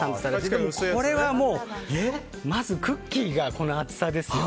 でも、これはまずクッキーがこの厚さですよ。